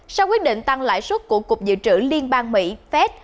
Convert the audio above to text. sau quyết định tăng lãi suất của cục dự trữ liên bang mỹ phép